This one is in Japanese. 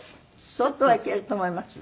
相当はいけると思いますよ。